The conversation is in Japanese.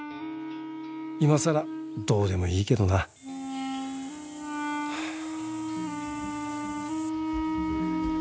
いまさらどうでもいいけどなハァ。